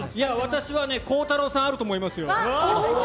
私は孝太郎さん、あると思いますよ。